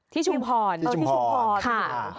ชุมพรที่ชุมพรค่ะ